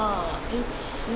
１２。